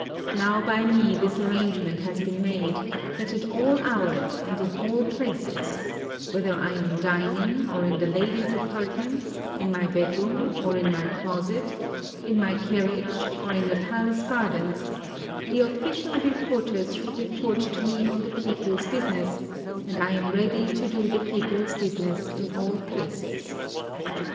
Now by me this arrangement has been made that at all hours and in all places — whether I am dining, or in the ladies' apartments, in my bed room, or in my closet, in my (?) carriage, or in the pal ace gardens — the official Reporters should report to me on the people's business, and I am ready to do the people's business in all places.